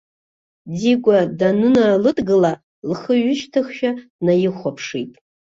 Дигәа даныналыдгыла, лхы ҩышьҭыхшәа днаихәаԥшит.